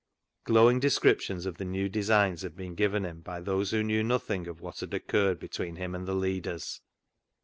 Glowing descriptions of the new designs had been given him by those who knew nothing of what had 3i6 CLOG SHOP CHRONICLES occurred between him and the leaders.